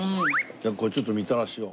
じゃあちょっとみたらしを。